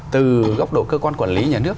từ góc độ cơ quan quản lý nhà nước